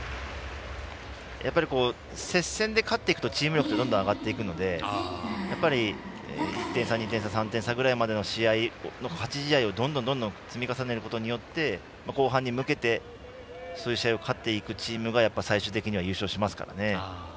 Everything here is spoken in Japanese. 接戦で勝っていくとチーム力はどんどん上がっていくのでやっぱり１点差、２点差、３点差ぐらいまでの試合勝ち試合をどんどん積み重ねることで、後半に向けてそういう試合を勝っていくチームが最終的には優勝しますからね。